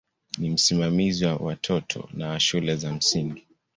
Ni msimamizi wa watoto na wa shule za msingi.